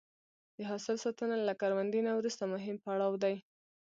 د حاصل ساتنه له کروندې نه وروسته مهم پړاو دی.